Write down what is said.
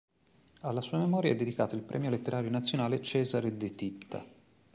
Alla sua memoria è dedicato il Premio Letterario Nazionale "Cesare De Titta".